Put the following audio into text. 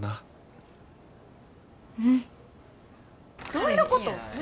どういうこと？